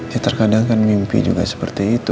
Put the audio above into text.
ya terkadang kan mimpi juga seperti itu